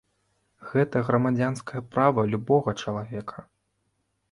Гэта грамадзянскае права любога чалавека.